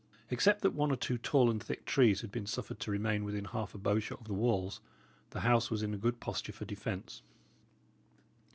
Except that one or two tall and thick trees had been suffered to remain within half a bowshot of the walls, the house was in a good posture for defence.